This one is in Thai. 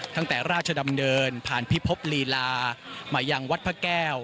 ตั้งแต่ราชดำเนินผ่านพิภพลีลามายังวัดพระแก้ว